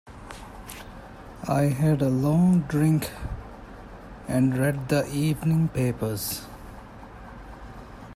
I had a long drink, and read the evening papers.